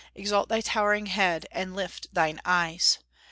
Exalt thy towering head and lift thine eyes!